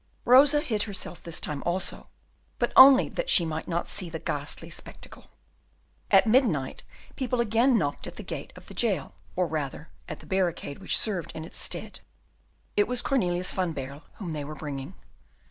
Rosa hid herself this time also, but only that she might not see the ghastly spectacle. At midnight, people again knocked at the gate of the jail, or rather at the barricade which served in its stead: it was Cornelius van Baerle whom they were bringing.